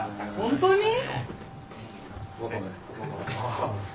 本当に？